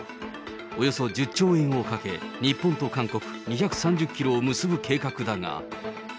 およそ１０兆円をかけ、日本と韓国２３０キロを結ぶ計画だが。